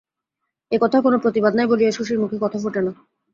একথার কোনো প্রতিবাদ নাই বলিয়া শশীর মুখে কথা ফোটে না।